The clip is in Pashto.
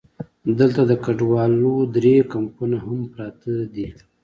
دلته د کډوالو درې کمپونه هم پراته دي.